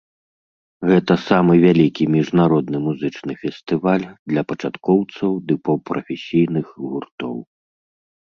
Гэта самы вялікі міжнародны музычны фестываль для пачаткоўцаў ды паўпрафесійных гуртоў.